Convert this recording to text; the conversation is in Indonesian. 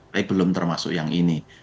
tapi belum termasuk yang ini